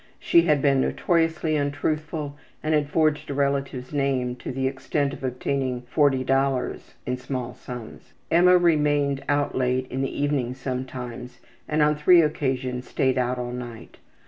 She had been notoriously untruthful, and had forged a relative's name to the extent of obtaining $40 in small sums. Emma remained out late in the evening sometimes, and on three occasions stayed out all night.